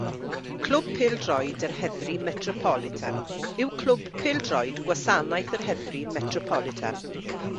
Clwb Pêl-droed yr Heddlu Metropolitan yw clwb pêl-droed Gwasanaeth yr Heddlu Metropolitan.